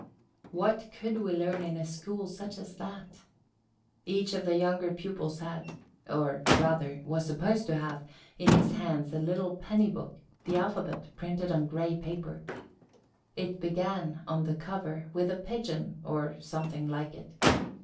What could we learn in such a school as that! Each of the younger pupils had, or rather was supposed to have, in his hands a little penny book, the alphabet, printed on gray paper. It began, on the cover, with a Pigeon, or something like it.